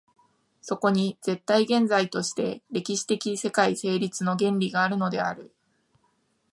そこに絶対現在として歴史的世界成立の原理があるのである。